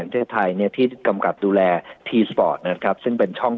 ประเทศไทยเนี่ยที่กำกับดูแลทีสปอร์ตนะครับซึ่งเป็นช่อง